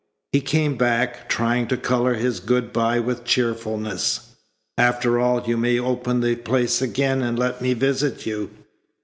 He came back, trying to colour his good bye with cheerfulness. "After all, you may open the place again and let me visit you."